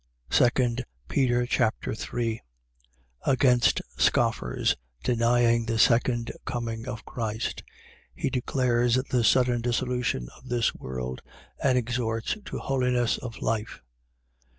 2 Peter Chapter 3 Against scoffers denying the second coming of Christ. He declares the sudden dissolution of this world and exhorts to holiness of life.